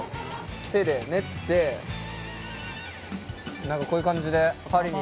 手で練って何かこういう感じで。